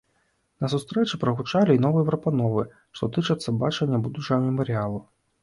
На сустрэчы прагучалі і новыя прапановы, што тычацца бачання будучага мемарыялу.